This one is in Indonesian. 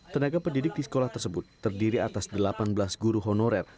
tenaga pendidik di sekolah tersebut terdiri atas delapan belas guru honorer